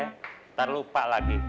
ntar lupa lagi